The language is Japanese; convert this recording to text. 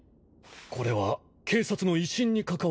これは警察の威信に関わる問題。